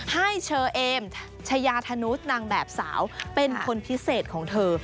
ให้เชอเอมชายาธนุษย์นางแบบสาวเป็นคนพิเศษของเธอ